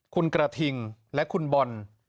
คุณกระทิงและคุณบอล